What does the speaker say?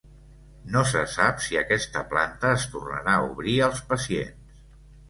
No se sap si aquesta planta es tornarà a obrir als pacients.